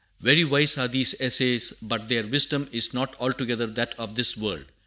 Very wise are these essays, but their wisdom is not altogether that of this world.